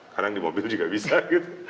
kadang di mobil juga bisa gitu